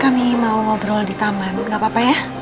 kami mau ngobrol di taman gak apa apa ya